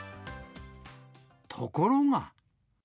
ところが。